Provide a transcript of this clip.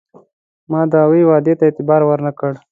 ما د هغوی وعدو ته اعتبار ور نه کړ.